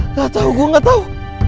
nggak tau gue nggak tau